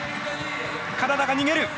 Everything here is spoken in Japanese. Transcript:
カナダが逃げる！